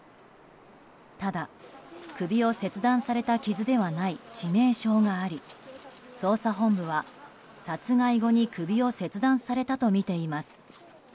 ただ、首を切断された傷ではない致命傷があり捜査本部は、殺害後に首を切断されたとみています。